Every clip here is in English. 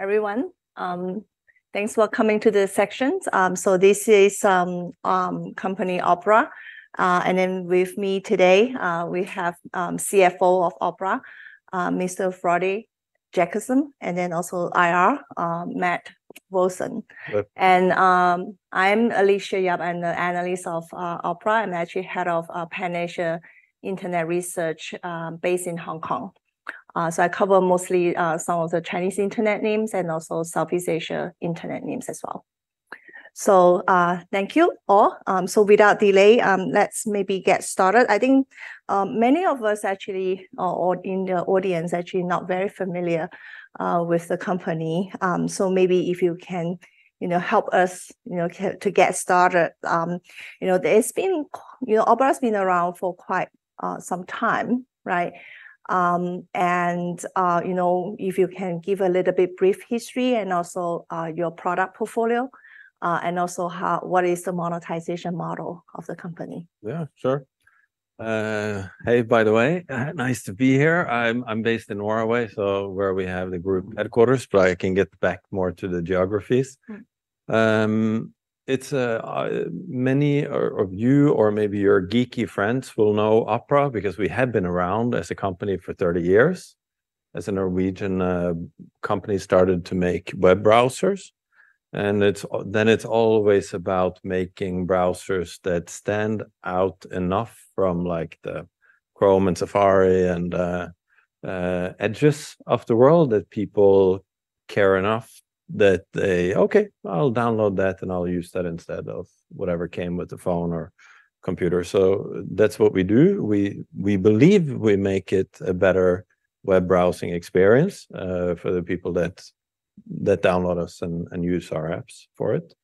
Everyone, thanks for coming to this section. So this is company Opera. And then with me today, we have CFO of Opera, Mr. Frode Jacobsen, and then also IR, Matthew Wolfson. Hello. I'm Alicia Yap. I'm the analyst of Opera. I'm actually head of Pan-Asia Internet Research, based in Hong Kong. So I cover mostly some of the Chinese internet names and also Southeast Asia internet names as well. So thank you all. So without delay, let's maybe get started. I think many of us actually in the audience are actually not very familiar with the company. So maybe if you can, you know, help us, you know, to get started. You know, it's been you know, Opera has been around for quite some time, right? And you know, if you can give a little bit brief history and also your product portfolio and also what is the monetization model of the company? Yeah, sure. Hey, by the way, nice to be here. I'm based in Norway, so where we have the group headquarters, but I can get back more to the geographies. Mm. It's many of you, or maybe your geeky friends will know Opera because we have been around as a company for 30 years, as a Norwegian company started to make web browsers. Then it's always about making browsers that stand out enough from, like, the Chrome and Safari, and Edges of the world, that people care enough that they, "Okay, I'll download that, and I'll use that instead of whatever came with the phone or computer." So that's what we do. We, we believe we make it a better web browsing experience for the people that, that download us and, and use our apps for it.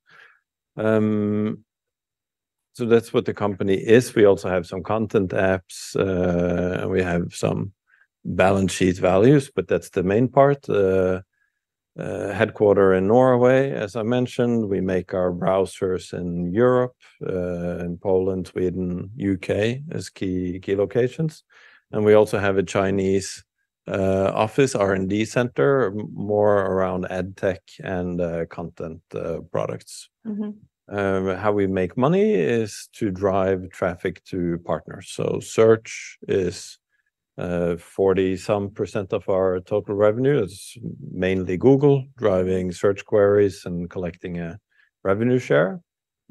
So that's what the company is. We also have some content apps, and we have some balance sheet values, but that's the main part. Headquartered in Norway, as I mentioned, we make our browsers in Europe, in Poland, Sweden, U.K. as key, key locations. We also have a Chinese office, R&D center, more around ad tech and content products. Mm-hmm. How we make money is to drive traffic to partners. So search is, 40% some of our total revenue, is mainly Google driving search queries and collecting a revenue share.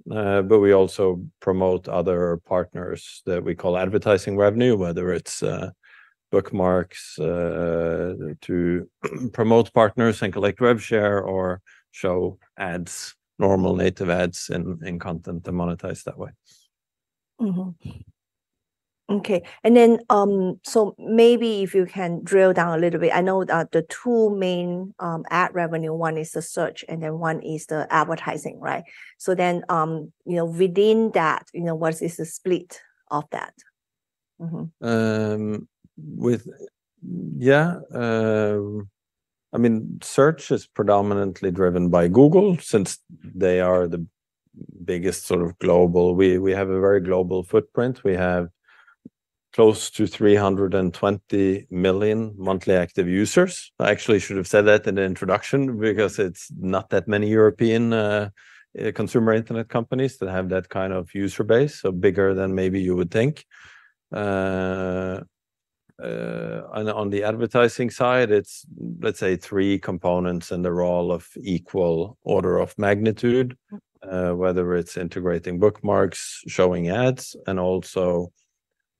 But we also promote other partners that we call advertising revenue, whether it's, bookmarks, to promote partners and collect rev share or show ads, normal native ads in content to monetize that way. Mm-hmm. Okay, and then, so maybe if you can drill down a little bit. I know that the two main ad revenue, one is the search, and then one is the advertising, right? So then, you know, within that, you know, what is the split of that? Mm-hmm. I mean, search is predominantly driven by Google since they are the biggest sort of global. We, we have a very global footprint. We have close to 320 million monthly active users. I actually should have said that in the introduction because it's not that many European consumer internet companies that have that kind of user base, so bigger than maybe you would think. And on the advertising side, it's, let's say, three components, and they're all of equal order of magnitude. Mm... whether it's integrating bookmarks, showing ads, and also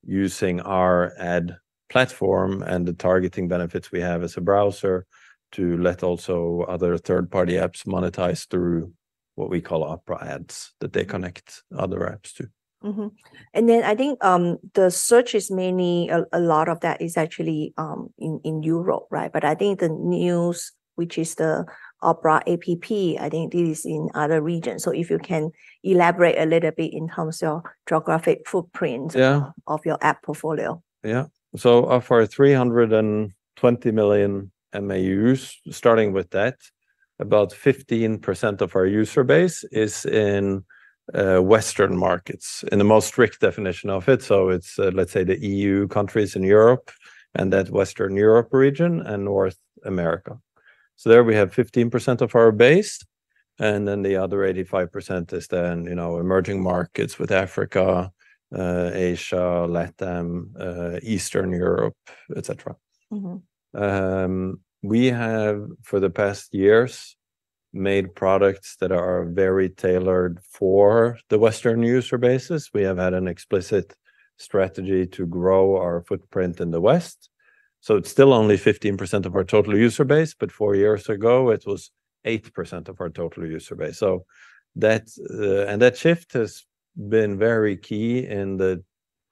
using our ad platform and the targeting benefits we have as a browser to let also other third-party apps monetize through what we call Opera Ads, that they connect other apps to. Mm-hmm. And then I think, the search is mainly a lot of that is actually in Europe, right? But I think the news, which is the Opera app, I think this is in other regions. So if you can elaborate a little bit in terms of geographic footprint- Yeah... of your app portfolio. Yeah. So of our 320 million MAUs, starting with that, about 15% of our user base is in, Western markets, in the most strict definition of it. So it's, let's say, the EU countries in Europe and that Western Europe region, and North America. So there we have 15% of our base, and then the other 85% is then, you know, emerging markets with Africa, Asia, LATAM, Eastern Europe, et cetera. Mm-hmm. We have, for the past years, made products that are very tailored for the Western user bases. We have had an explicit strategy to grow our footprint in the West, so it's still only 15% of our total user base, but four years ago, it was 8% of our total user base. So that, and that shift has been very key in the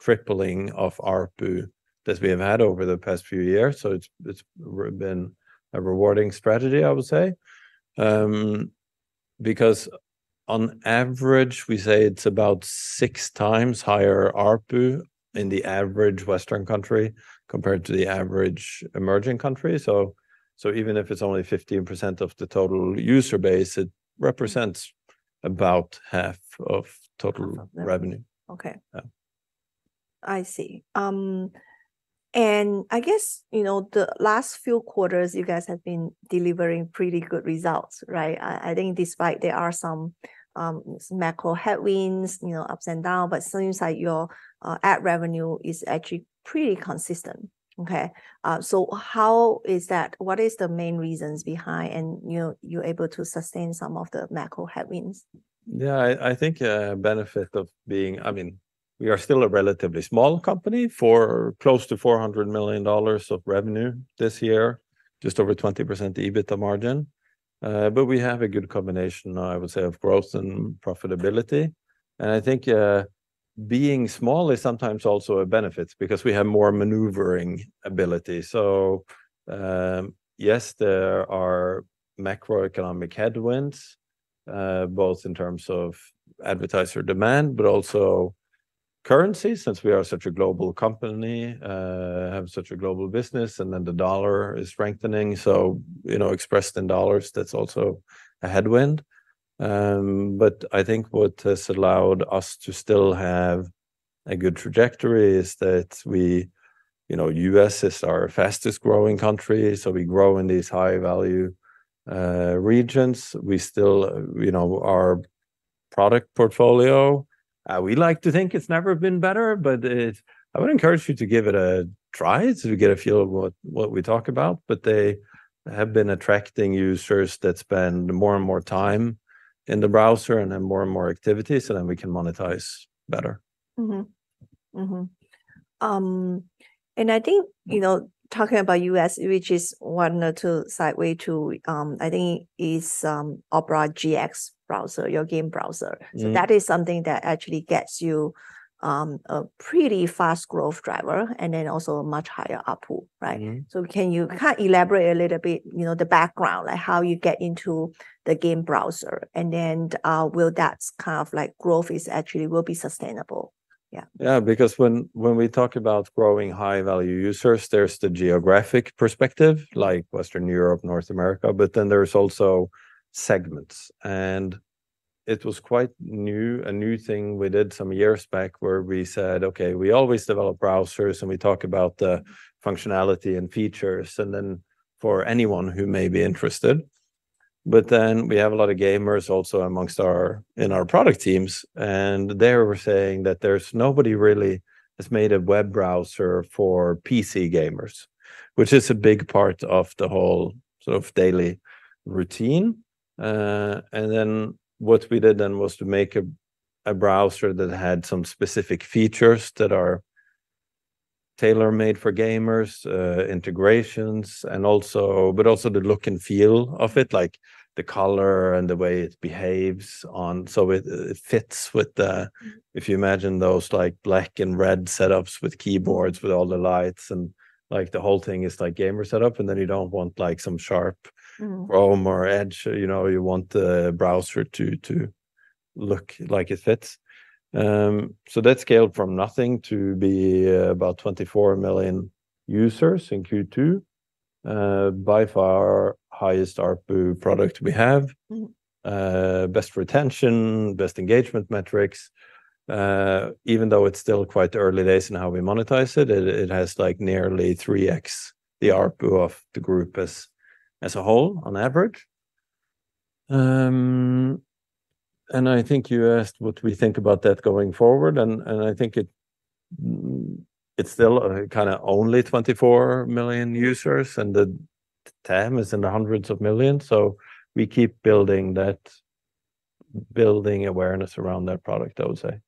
tripling of ARPU that we have had over the past few years. So it's been a rewarding strategy, I would say. Because on average, we say it's about six times higher ARPU in the average Western country compared to the average emerging country. So even if it's only 15% of the total user base, it represents about half of total revenue. Okay. Yeah.... I see. And I guess, you know, the last few quarters, you guys have been delivering pretty good results, right? I think despite there are some macro headwinds, you know, ups and down, but seems like your ad revenue is actually pretty consistent. Okay, so how is that—what are the main reasons behind, and, you know, you're able to sustain some of the macro headwinds? Yeah, I think benefit of being, I mean, we are still a relatively small company for close to $400 million of revenue this year, just over 20% EBITDA margin. But we have a good combination, I would say, of growth and profitability. And I think, being small is sometimes also a benefit because we have more maneuvering ability. So, yes, there are macroeconomic headwinds, both in terms of advertiser demand, but also currency, since we are such a global company, have such a global business, and then the dollar is strengthening. So, you know, expressed in dollars, that's also a headwind. But I think what has allowed us to still have a good trajectory is that—you know, U.S. is our fastest growing country, so we grow in these high-value regions. We still, you know, our product portfolio, we like to think it's never been better, but it—I would encourage you to give it a try, so you get a feel of what, what we talk about. But they have been attracting users that spend more and more time in the browser and have more and more activity, so then we can monetize better. Mm-hmm. Mm-hmm. And I think, you know, talking about U.S., which is one or two sideway to, I think is, Opera GX browser, your game browser. Mm-hmm. That is something that actually gets you a pretty fast growth driver, and then also a much higher ARPU, right? Mm-hmm. So can you elaborate a little bit, you know, the background, like how you get into the game browser, and then will that kind of, like, growth is actually will be sustainable? Yeah. Yeah, because when we talk about growing high-value users, there's the geographic perspective, like Western Europe, North America, but then there's also segments. And it was quite new, a new thing we did some years back where we said, "Okay, we always develop browsers, and we talk about the functionality and features, and then for anyone who may be interested." But then we have a lot of gamers also amongst our, in our product teams, and they were saying that there's nobody really has made a web browser for PC gamers, which is a big part of the whole sort of daily routine. And then what we did then was to make a browser that had some specific features that are tailor-made for gamers, integrations, and also, but also the look and feel of it, like the color and the way it behaves on... So it fits with the... Mm. If you imagine those, like, black and red setups with keyboards, with all the lights, and, like, the whole thing is, like, gamer setup, and then you don't want, like, some sharp- Mm-hmm... Chrome or Edge. You know, you want the browser to look like it fits. So that scaled from nothing to be about 24 million users in Q2. By far, our highest ARPU product we have. Mm-hmm. Best retention, best engagement metrics. Even though it's still quite early days in how we monetize it has, like, nearly 3x the ARPU of the group as a whole, on average. And I think you asked what we think about that going forward, and I think it's still kind of only 24 million users, and the TAM is in the hundreds of millions. So we keep building that, building awareness around that product, I would say.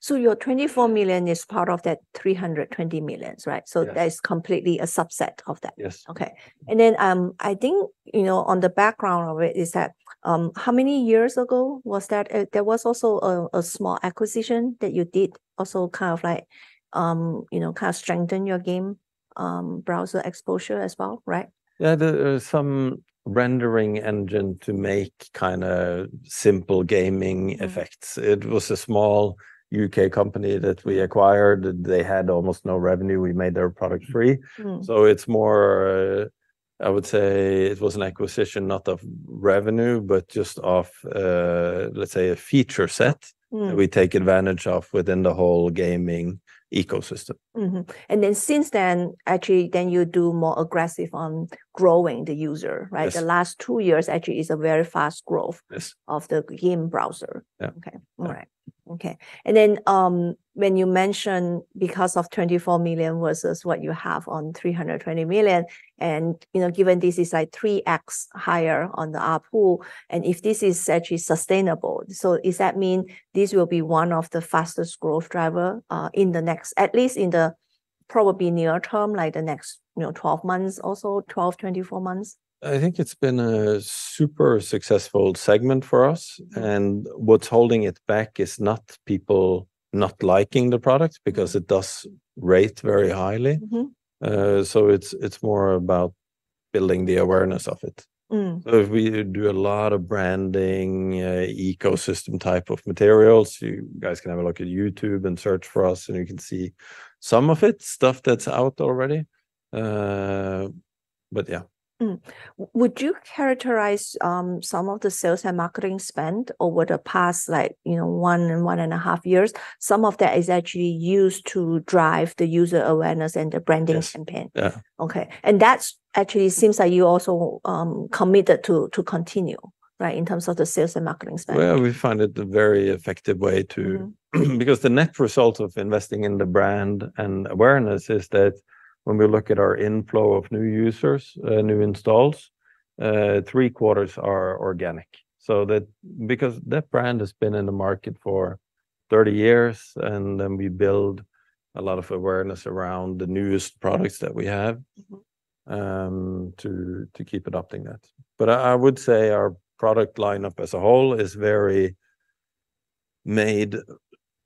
So your 24 million is part of that 320 million, right? Yeah. That is completely a subset of that. Yes. Okay. And then, I think, you know, on the background of it, is that, how many years ago was that? There was also a small acquisition that you did also kind of like, you know, kind of strengthen your game, browser exposure as well, right? Yeah, there, some rendering engine to make kind of simple gaming- Mm... effects. It was a small U.K. company that we acquired. They had almost no revenue. We made their product free. Mm-hmm. So it's more, I would say it was an acquisition not of revenue, but just of, let's say, a feature set- Mm... that we take advantage of within the whole gaming ecosystem. Mm-hmm. And then since then, actually, then you do more aggressive on growing the user, right? Yes. The last two years actually is a very fast growth. Yes... of the game browser. Yeah. Okay. All right. Okay. And then, when you mention because of 24 million versus what you have on 320 million, and, you know, given this is like 3x higher on the ARPU, and if this is actually sustainable, so does that mean this will be one of the fastest growth driver, in the next—at least in the probably near term, like the next, you know, 12 months or so, 12, 24 months? I think it's been a super successful segment for us. Mm-hmm. What's holding it back is not people not liking the product, because it does rate very highly. Mm-hmm. So it's more about building the awareness of it. Mm. So we do a lot of branding, ecosystem type of materials. You guys can have a look at YouTube and search for us, and you can see some of it, stuff that's out already. But yeah. Would you characterize some of the sales and marketing spend over the past, like, you know, one and 1.5 years? Some of that is actually used to drive the user awareness and the branding- Yes. -campaign. Yeah. Okay, and that's actually seems like you also committed to continue, right, in terms of the sales and marketing spend? Well, we find it a very effective way to- Mm. Because the net result of investing in the brand and awareness is that when we look at our inflow of new users, new installs, three-quarters are organic. So that because that brand has been in the market for 30 years, and then we build a lot of awareness around the newest products that we have- Mm-hmm... to keep adopting that. But I would say our product lineup as a whole is very made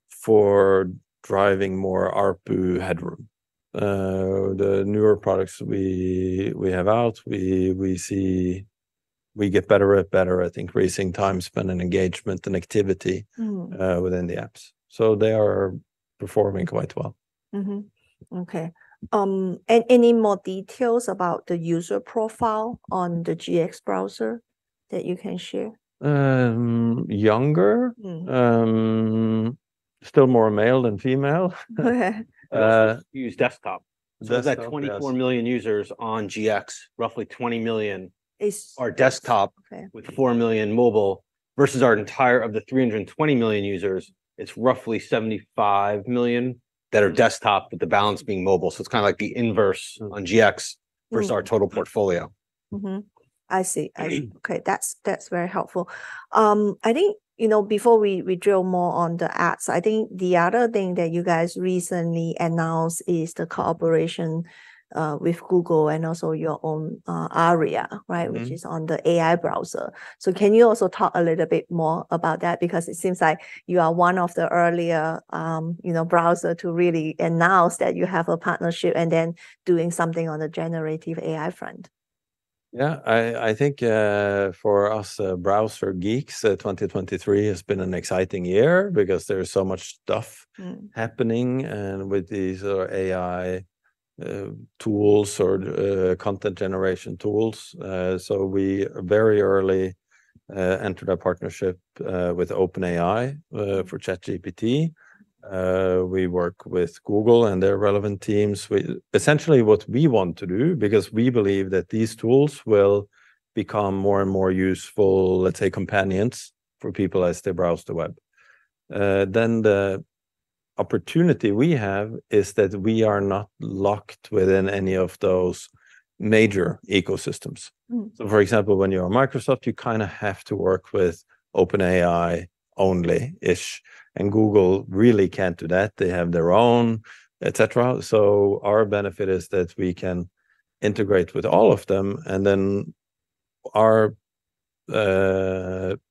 for driving more ARPU headroom. The newer products we have out, we see we get better and better at increasing time spent, and engagement, and activity- Mm. within the apps. So they are performing quite well. Mm-hmm. Okay. Any more details about the user profile on the GX browser that you can share? Um, younger. Mm. Still more male than female. Okay. Uh- Use desktop. Desktop, yes. So that 24 million users on GX, roughly 20 million- Is- -are desktop- Okay. -with 4 million mobile, versus our entire, of the 300 million users, it's roughly 75 million that are desktop, with the balance being mobile. So it's kind of like the inverse on GX- Mm. -versus our total portfolio. Mm-hmm. I see. Yeah. Okay, that's very helpful. I think, you know, before we drill more on the ads, I think the other thing that you guys recently announced is the cooperation with Google and also your own Aria, right? Mm-hmm. Which is on the AI browser. So can you also talk a little bit more about that? Because it seems like you are one of the earlier, you know, browser to really announce that you have a partnership, and then doing something on the generative AI front. Yeah. I think, for us, browser geeks, 2023 has been an exciting year because there is so much stuff- Mm... happening, and with these AI tools or content generation tools. So we very early entered a partnership with OpenAI for ChatGPT. We work with Google and their relevant teams. Essentially what we want to do, because we believe that these tools will become more and more useful, let's say, companions for people as they browse the web. Then the opportunity we have is that we are not locked within any of those major ecosystems. Mm. So, for example, when you're on Microsoft, you kind of have to work with OpenAI only-ish, and Google really can't do that. They have their own, et cetera. So our benefit is that we can integrate with all of them, and then our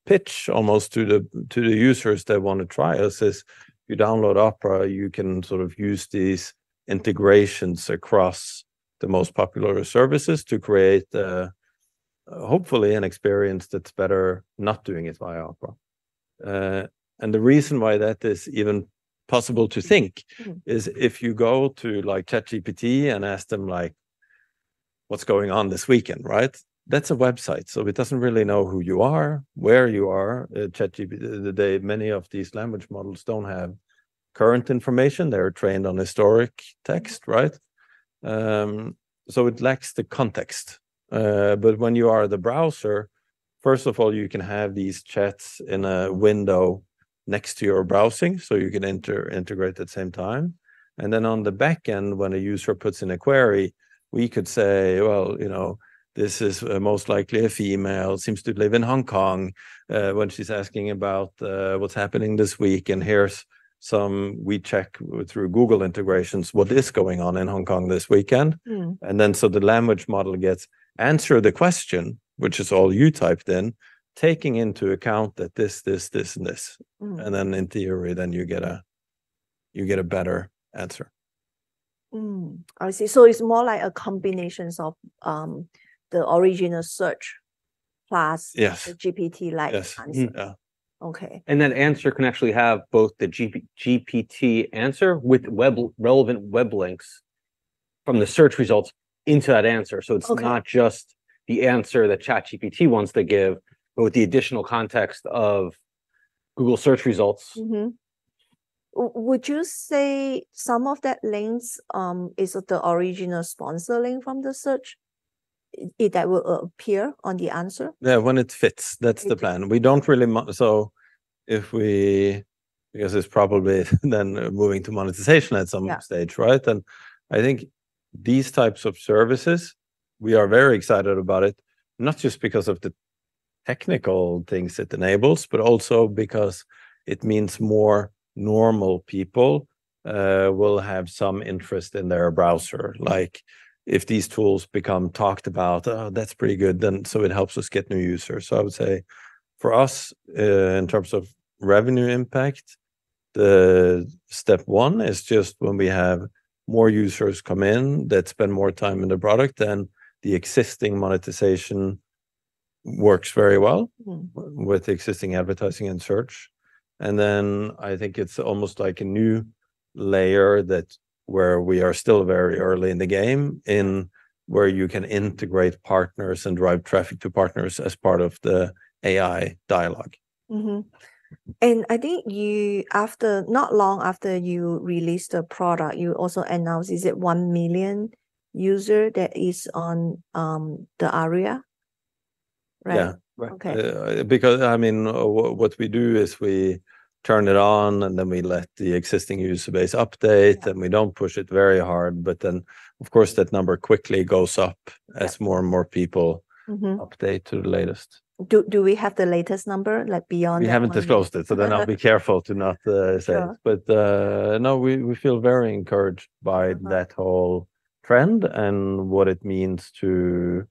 pitch almost to the users that want to try us is, you download Opera, you can sort of use these integrations across the most popular services to create hopefully an experience that's better not doing it via Opera. And the reason why that is even possible to think- Mm... is if you go to, like, ChatGPT and ask them, like, "What's going on this weekend," right? That's a website, so it doesn't really know who you are, where you are. ChatGPT, today, many of these language models don't have current information. They're trained on historic text, right? So it lacks the context. But when you are the browser, first of all, you can have these chats in a window next to your browsing, so you can integrate at the same time. And then on the back end, when a user puts in a query, we could say, "Well, you know, this is most likely a female, seems to live in Hong Kong, when she's asking about what's happening this week. And here's some..." We check through Google integrations what is going on in Hong Kong this weekend. Mm. And then, so the language model gets, "Answer the question," which is all you typed in, "taking into account that this, this, this, and this. Mm. And then, in theory, then you get a better answer. Mm, I see. So it's more like a combination of the original search, plus- Yes... GPT-like answer. Yes. Mm, yeah. Okay. That answer can actually have both the GPT answer with relevant web links from the search results into that answer. Okay. It's not just the answer that ChatGPT wants to give, but with the additional context of Google Search results. Mm-hmm. Would you say some of that links is the original sponsor link from the search, it, that will appear on the answer? Yeah, when it fits. Mm. That's the plan. We don't really so if we... Because it's probably then moving to monetization at some- Yeah... stage, right? And I think these types of services, we are very excited about it, not just because of the technical things it enables, but also because it means more normal people will have some interest in their browser. Like, if these tools become talked about, that's pretty good, then, so it helps us get new users. So I would say, for us, in terms of revenue impact, the step one is just when we have more users come in that spend more time in the product, then the existing monetization-... works very well- Mm-hmm. with existing advertising and search, and then I think it's almost like a new layer that, where we are still very early in the game, in where you can integrate partners and drive traffic to partners as part of the AI dialogue. Mm-hmm. And I think you, after, not long after you released the product, you also announced, is it 1 million user that is on, the Aria? Right. Yeah. Okay. Because, I mean, what we do is we turn it on, and then we let the existing user base update, and we don't push it very hard. But then, of course, that number quickly goes up- Yeah... as more and more people- Mm-hmm Update to the latest. Do we have the latest number, like beyond the one- We haven't disclosed it, so then I'll be careful to not say it. Sure. But no, we feel very encouraged by- Mm... that whole trend and what it means to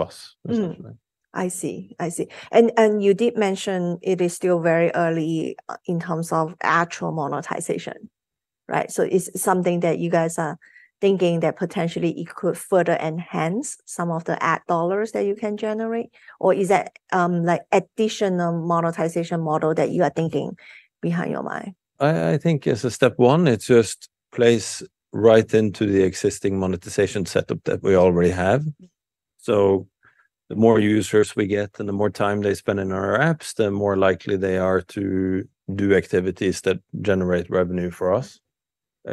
us, essentially. Mm. I see. I see. And you did mention it is still very early in terms of actual monetization, right? So is it something that you guys are thinking that potentially it could further enhance some of the ad dollars that you can generate, or is that like additional monetization model that you are thinking behind your mind? I think as a step one, it just plays right into the existing monetization setup that we already have. Mm. So the more users we get, and the more time they spend in our apps, the more likely they are to do activities that generate revenue for us.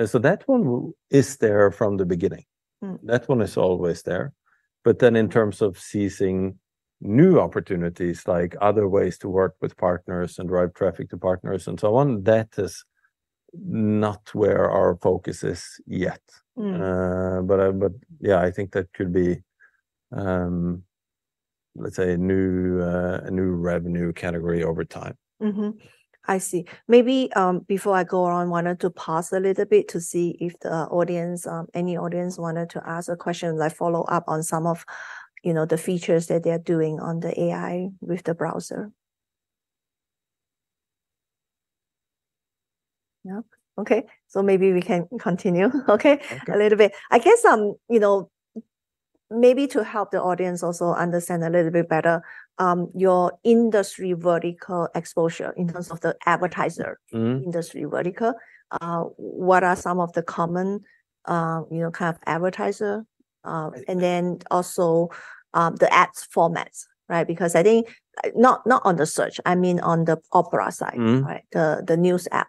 So that one is there from the beginning. Mm. That one is always there. But then in terms of seizing new opportunities, like other ways to work with partners and drive traffic to partners and so on, that is not where our focus is yet. Mm. But yeah, I think that could be, let's say, a new revenue category over time. Mm-hmm. I see. Maybe, before I go on, I wanted to pause a little bit to see if the audience, any audience wanted to ask a question, like follow up on some of, you know, the features that they're doing on the AI with the browser. Yeah, okay. So maybe we can continue, okay- Okay... a little bit. I guess, you know, maybe to help the audience also understand a little bit better, your industry vertical exposure in terms of the advertiser- Mm. industry vertical, what are some of the common, you know, kind of advertiser, Right... and then also, the ads formats, right? Because I think, not, not on the search, I mean, on the Opera side- Mm. Right, the news app.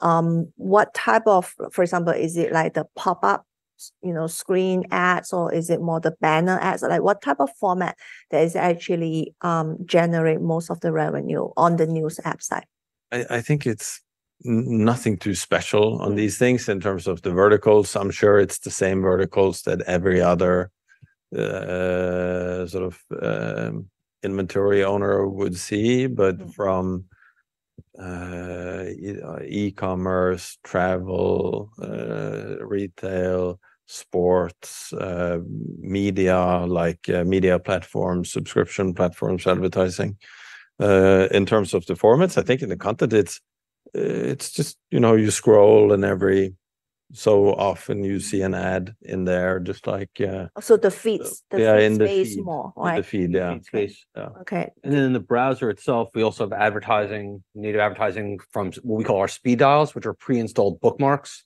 What type of... For example, is it like the pop-up, you know, screen ads, or is it more the banner ads? Like, what type of format that is actually generate most of the revenue on the news app side? I think it's nothing too special on these things in terms of the verticals. I'm sure it's the same verticals that every other sort of inventory owner would see- Mm... but from, you know, e-commerce, travel, retail, sports, media, like, media platforms, subscription platforms, advertising. In terms of the formats, I think in the content it's, it's just, you know, you scroll, and every so often you see an ad in there, just like, So the feeds- Yeah, in the feed The feed space more, right? The feed, yeah. The feed space. Okay. And then in the browser itself, we also have advertising, native advertising from what we call our Speed Dials, which are pre-installed bookmarks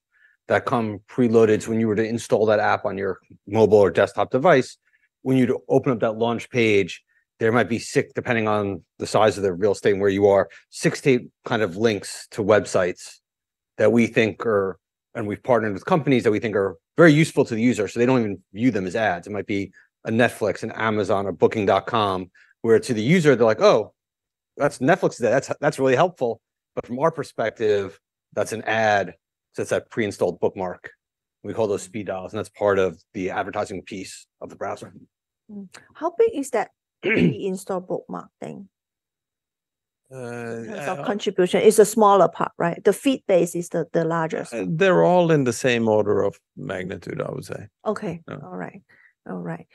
that come preloaded. So when you were to install that app on your mobile or desktop device, when you'd open up that launch page, there might be six, depending on the size of the real estate and where you are, six to eight kind of links to websites that we think are... And we've partnered with companies that we think are very useful to the user, so they don't even view them as ads. It might be a Netflix, an Amazon, a Booking.com, where to the user, they're like, "Oh, that's Netflix there. That's, that's really helpful." But from our perspective, that's an ad, so it's a pre-installed bookmark. We call those Speed Dials, and that's part of the advertising piece of the browser. Mm. How big is that pre-installed bookmark thing? Uh, uh- In terms of contribution, it's a smaller part, right? The feed base is the largest. They're all in the same order of magnitude, I would say. Okay. Yeah. All right. All right.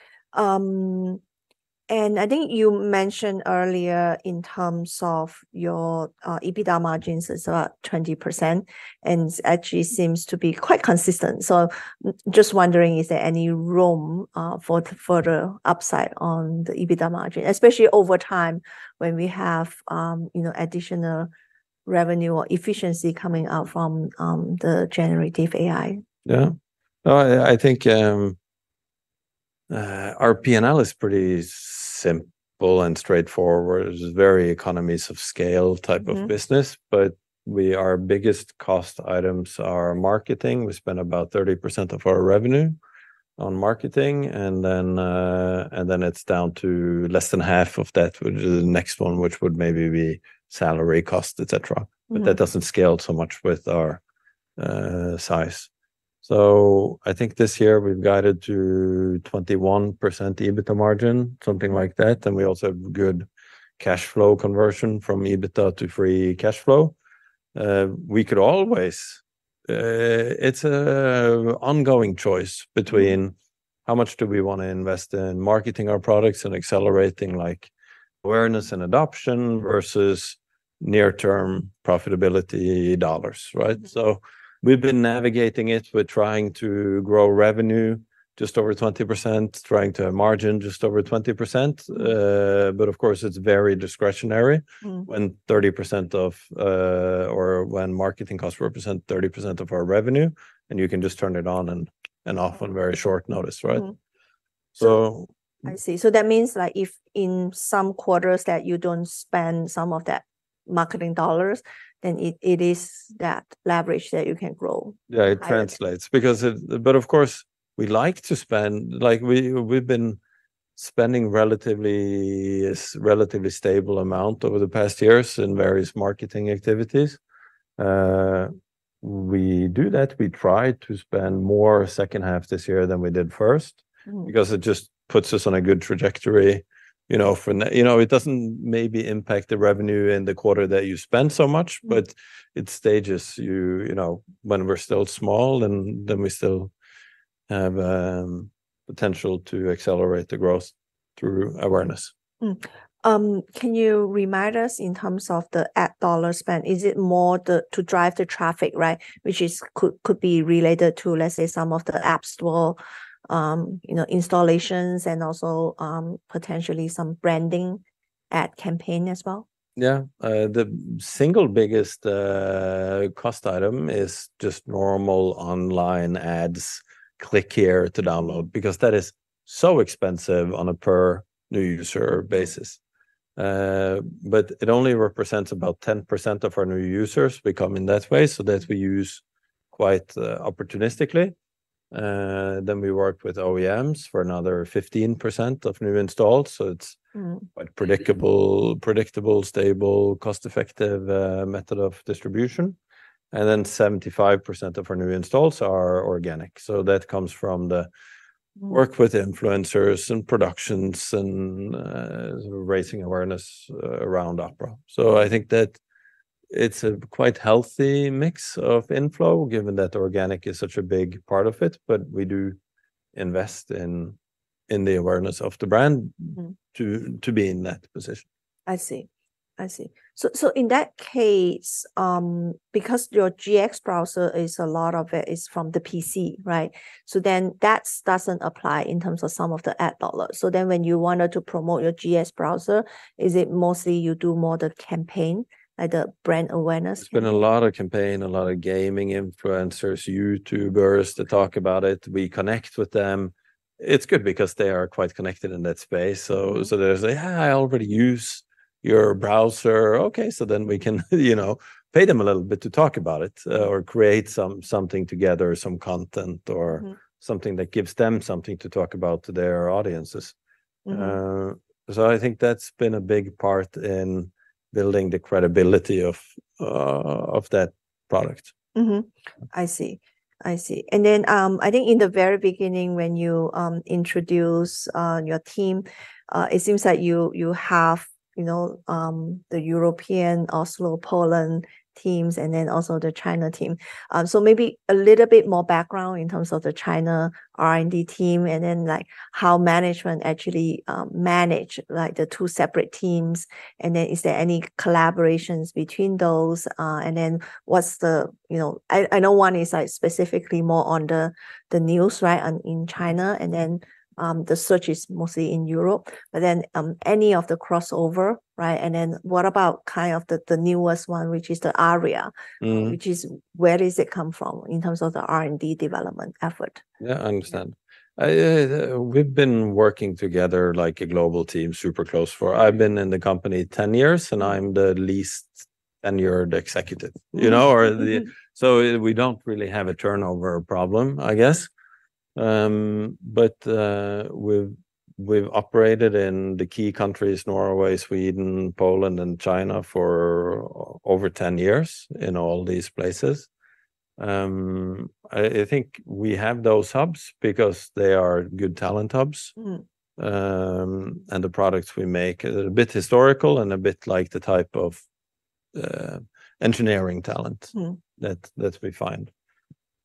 And I think you mentioned earlier in terms of your EBITDA margins is about 20%, and it actually seems to be quite consistent. So just wondering, is there any room for the upside on the EBITDA margin, especially over time, when we have, you know, additional revenue or efficiency coming out from the generative AI? Yeah. Oh, I think our P&L is pretty simple and straightforward. It's very economies of scale type- Mm... of business, but we, our biggest cost items are marketing. We spend about 30% of our revenue on marketing, and then, and then it's down to less than half of that, which is the next one, which would maybe be salary cost, et cetera. Mm. But that doesn't scale so much with our size. So I think this year we've guided to 21% EBITDA margin, something like that, and we also have good cash flow conversion from EBITDA to free cash flow. We could always, it's an ongoing choice between how much do we wanna invest in marketing our products and accelerating, like awareness and adoption versus near-term profitability dollars, right? So we've been navigating it. We're trying to grow revenue just over 20%, trying to margin just over 20%. But of course, it's very discretionary. Mm. when 30% of, or when marketing costs represent 30% of our revenue, and you can just turn it on and off on very short notice, right? Mm. So- I see. So that means, like, if in some quarters that you don't spend some of that marketing dollars, then it is that leverage that you can grow? Yeah, it translates. Because but of course, we like to spend, like we, we've been spending relatively, a relatively stable amount over the past years in various marketing activities. We do that. We try to spend more second half this year than we did first- Mm. - because it just puts us on a good trajectory, you know, for—you know, it doesn't maybe impact the revenue in the quarter that you spend so much- Mm. - but it stages you, you know, when we're still small, and then we still have potential to accelerate the growth through awareness. Can you remind us in terms of the ad dollar spend, is it more to drive the traffic, right? Which is, could be related to, let's say, some of the app store, you know, installations and also, potentially some branding ad campaign as well. Yeah. The single biggest cost item is just normal online ads, "Click here to download," because that is so expensive on a per new user basis. But it only represents about 10% of our new users who come in that way, so that we use quite opportunistically. Then we work with OEMs for another 15% of new installs, so it's- Mm... quite predictable, predictable, stable, cost-effective method of distribution. And then 75% of our new installs are organic, so that comes from the work with influencers and productions and raising awareness around Opera. So I think that it's a quite healthy mix of inflow, given that organic is such a big part of it, but we do invest in the awareness of the brand- Mm to be in that position. I see. I see. So, in that case, because your GX browser is a lot of it is from the PC, right? So then that doesn't apply in terms of some of the ad dollars. So then when you wanted to promote your GX browser, is it mostly you do more the campaign, like the brand awareness? It's been a lot of campaign, a lot of gaming influencers, YouTubers to talk about it. We connect with them. It's good because they are quite connected in that space. Mm-hmm. So, so they say, "Yeah, I already use your browser." Okay, so then we can, you know, pay them a little bit to talk about it, or create something together, some content or- Mm... something that gives them something to talk about to their audiences. Mm-hmm. So, I think that's been a big part in building the credibility of that product. Mm-hmm. I see. I see. And then, I think in the very beginning when you introduced your team, it seems like you, you have, you know, the European, Oslo, Poland teams, and then also the China team. So maybe a little bit more background in terms of the China R&D team, and then, like, how management actually manage, like, the two separate teams, and then is there any collaborations between those? And then what's the... You know, I, I know one is, like, specifically more on the, the news, right, on in China, and then, the search is mostly in Europe, but then, any of the crossover, right? And then what about kind of the, the newest one, which is the Aria? Mm. Which is, where does it come from in terms of the R&D development effort? Yeah, I understand. We've been working together like a global team, super close, for... I've been in the company 10 years, and I'm the least tenured executive- Mm. You know, or the... So we don't really have a turnover problem, I guess. But we've operated in the key countries, Norway, Sweden, Poland, and China, for over 10 years in all these places. I think we have those hubs because they are good talent hubs. Mm. The products we make are a bit historical and a bit like the type of engineering talent- Mm that we find.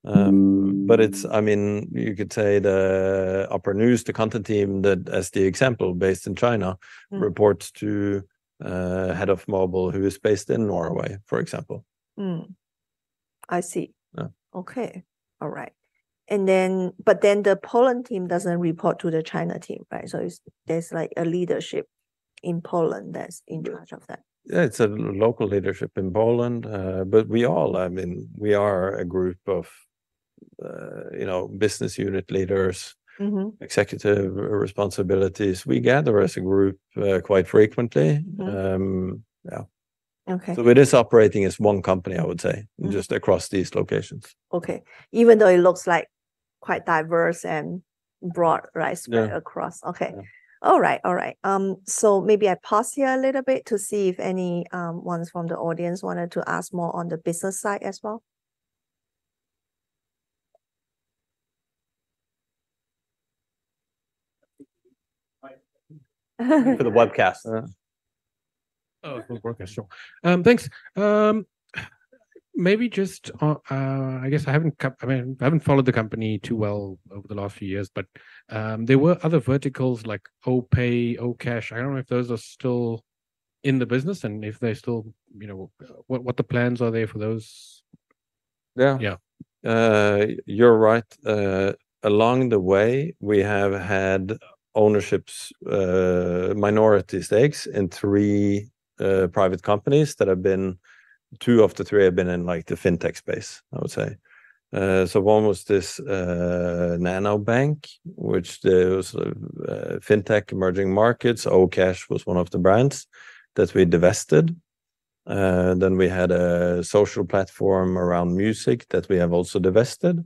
Mm. But it's, I mean, you could say the Opera News, the content team that, as the example, based in China. Mm - reports to, head of mobile, who is based in Norway, for example. Mm. I see. Yeah. Okay. All right. But then the Poland team doesn't report to the China team, right? So it's, there's like a leadership in Poland that's in charge of that. Yeah, it's a local leadership in Poland. We all, I mean, we are a group of, you know, business unit leaders- Mm-hmm... executive responsibilities. We gather as a group, quite frequently. Mm. Um, yeah. Okay. So it is operating as one company, I would say. Mm... just across these locations. Okay. Even though it looks like quite diverse and broad, right? Yeah. Spread across. Yeah. Okay. All right, all right. So maybe I pause here a little bit to see if any ones from the audience wanted to ask more on the business side as well. For the webcast, Oh, it's working. Sure. Thanks. Maybe just, I guess I haven't—I mean, I haven't followed the company too well over the last few years, but there were other verticals like OPay, OKash. I don't know if those are still in the business, and if they're still, you know, what the plans are there for those? Yeah. Yeah. You're right. Along the way, we have had ownerships, minority stakes in three private companies that have been... Two of the three have been in, like, the fintech space, I would say. So one was this Nanobank, which there was a fintech emerging markets. OKash was one of the brands that we divested. Then we had a social platform around music that we have also divested.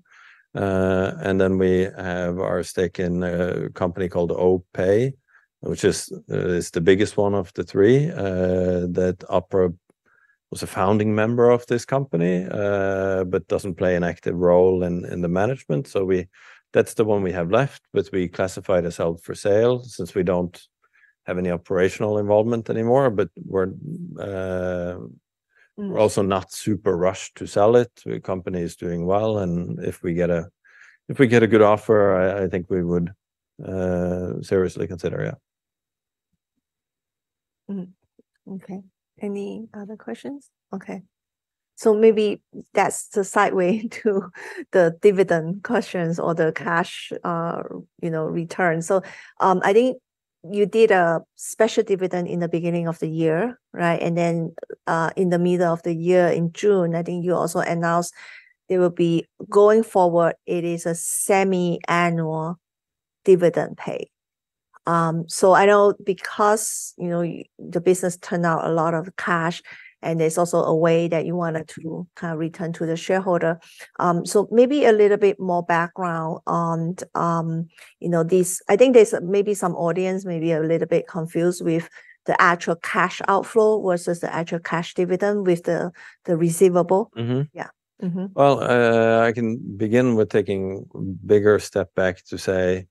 And then we have our stake in a company called OPay, which is the biggest one of the three, that Opera was a founding member of this company, but doesn't play an active role in the management. That's the one we have left, which we classified as held for sale, since we don't have any operational involvement anymore. But we're Mm... we're also not super rushed to sell it. The company is doing well, and if we get a good offer, I think we would seriously consider, yeah. Mm-hmm. Okay. Any other questions? Okay. So maybe that's the sideway to the dividend questions or the cash, you know, return. So, I think you did a special dividend in the beginning of the year, right? And then, in the middle of the year, in June, I think you also announced there will be... Going forward, it is a semi-annual dividend pay. So I know because, you know, the business turned out a lot of cash, and there's also a way that you wanted to kind of return to the shareholder. So maybe a little bit more background on, you know, this. I think there's maybe some audience may be a little bit confused with the actual cash outflow versus the actual cash dividend with the receivable. Mm-hmm. Yeah. Mm-hmm. Well, I can begin with taking a bigger step back to say,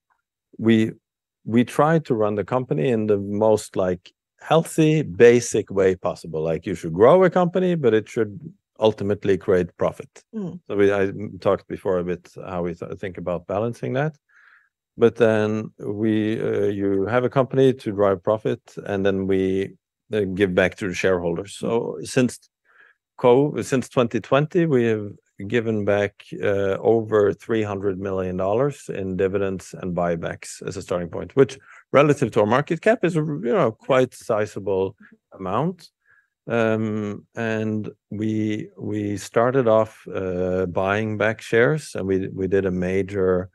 we try to run the company in the most, like, healthy, basic way possible. Like, you should grow a company, but it should ultimately create profit. Mm. So we, I talked before a bit how we think about balancing that, but then we, you have a company to drive profit, and then we give back to the shareholders. So since 2020, we have given back over $300 million in dividends and buybacks as a starting point, which, relative to our market cap, is, you know, quite sizable amount. And we started off buying back shares, and we did a major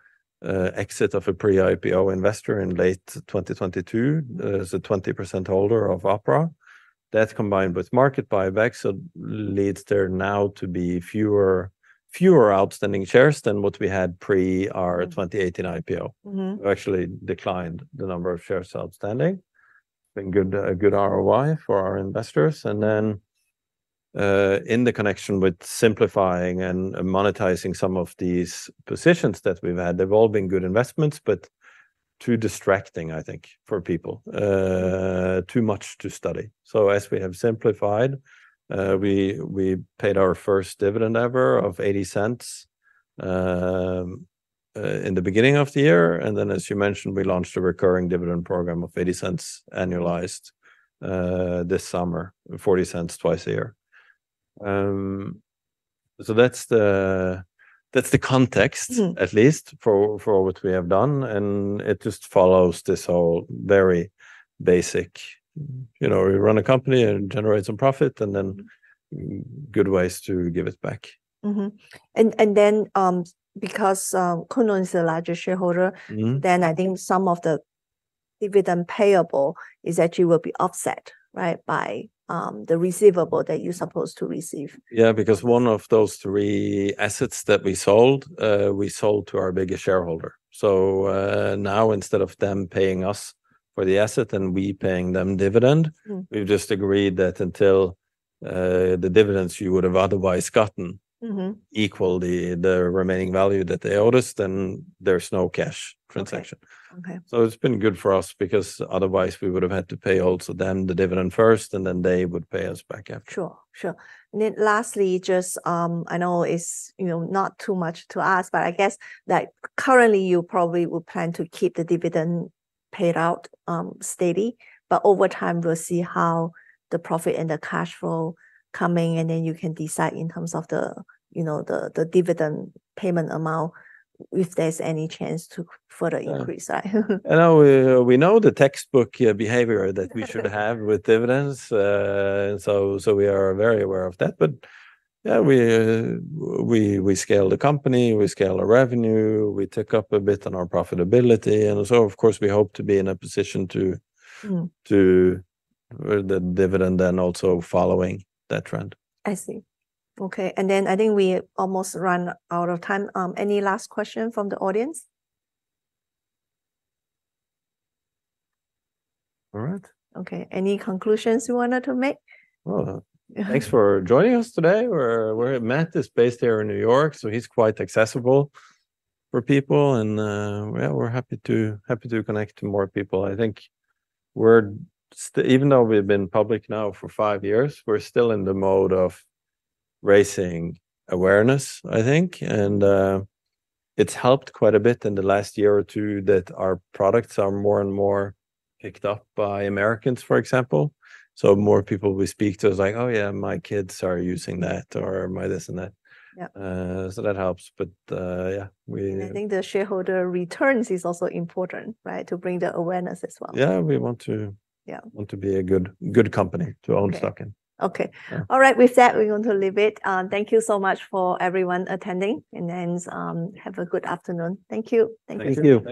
exit of a pre-IPO investor in late 2022, as a 20% holder of Opera. That, combined with market buyback, leads there now to be fewer outstanding shares than what we had pre our 2018 IPO. Mm-hmm. We actually declined the number of shares outstanding. Been good, a good ROI for our investors. And then, in the connection with simplifying and monetizing some of these positions that we've had, they've all been good investments, but too distracting, I think, for people. Too much to study. So as we have simplified, we paid our first dividend ever of $0.80 in the beginning of the year, and then, as you mentioned, we launched a recurring dividend program of $0.80 annualized this summer, $0.40 twice a year. So that's the context- Mm... at least for what we have done, and it just follows this whole very basic... You know, you run a company and generate some profit, and then good ways to give it back. Mm-hmm. And then, because Kunlun is the largest shareholder- Mm... then I think some of the dividend payable is actually will be offset, right, by, the receivable that you're supposed to receive. Yeah, because one of those three assets that we sold, we sold to our biggest shareholder. So, now instead of them paying us for the asset and we paying them dividend- Mm... we've just agreed that until, the dividends you would have otherwise gotten- Mm-hmm... equal the remaining value that they owed us, then there's no cash transaction. Okay. Okay. So it's been good for us, because otherwise we would have had to pay also them the dividend first, and then they would pay us back after. Sure, sure. And then lastly, just, I know it's, you know, not too much to ask, but I guess that currently you probably will plan to keep the dividend paid out steady, but over time, we'll see how the profit and the cash flow coming, and then you can decide in terms of the, you know, the dividend payment amount, if there's any chance to further increase, right? I know, we know the textbook, yeah, behavior that we should have with dividends. So we are very aware of that, but, yeah, we scale the company, we scale our revenue, we took up a bit on our profitability, and so, of course, we hope to be in a position to- Mm... to raise the dividend then, also following that trend. I see. Okay, and then I think we almost run out of time. Any last question from the audience? All right. Okay. Any conclusions you wanted to make? Well, uh- Yeah ... thanks for joining us today. We're Matt is based here in New York, so he's quite accessible for people and, yeah, we're happy to connect to more people. I think we're even though we've been public now for five years, we're still in the mode of raising awareness, I think, and it's helped quite a bit in the last year or two that our products are more and more picked up by Americans, for example. So more people we speak to is like: "Oh, yeah, my kids are using that or my this and that. Yeah. So that helps, but, yeah, we- I think the shareholder returns is also important, right? To bring the awareness as well. Yeah, we want to- Yeah... want to be a good, good company to own stock in. Okay. All right, with that, we're going to leave it. Thank you so much for everyone attending, and then, have a good afternoon. Thank you. Thank you. Thank you.